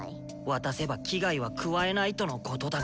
渡せば危害は加えないとのことだが。